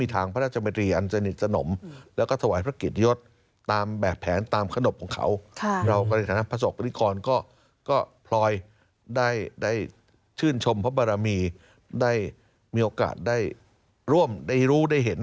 ทหารก็ชื่นชมพระบรมีได้มีโอกาสได้ร่วมได้รู้ได้เห็น